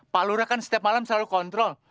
pak lura kan setiap malam selalu kontrol